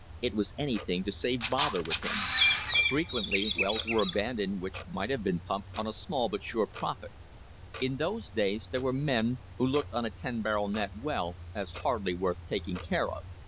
It was anything to save bother with him. Frequently wells were abandoned which might have been pumped on a small but sure profit In those days there were men who looked on a ten barrel (net) well as hardly worth taking care of.